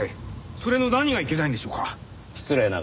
それの何がいけないんでしょうか？